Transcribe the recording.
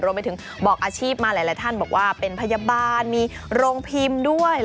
บอกไปถึงบอกอาชีพมาหลายท่านบอกว่าเป็นพยาบาลมีโรงพิมพ์ด้วย